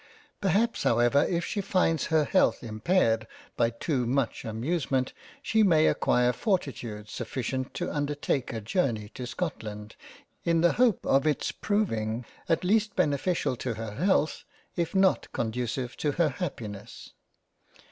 Perhaps however if she finds her health impaired by too much 58 £ LESLEY CASTLE £ amusement, she may acquire fortitude sufficient to undertake a Journey to Scotland in the hope of its proving at least bene ficial to her health, if not conducive to her happiness.